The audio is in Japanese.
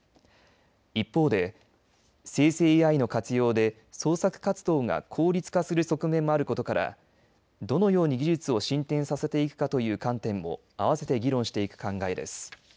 一方で、生成ＡＩの活用で創作活動が効率化する側面もあることからどのように技術を進展させていくかという観点も合わせて議論していく考えです。